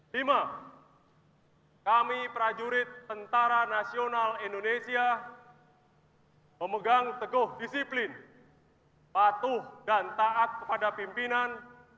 lima kami prajurit tentara nasional indonesia memegang teguh disiplin patuh dan taat kepada pimpinan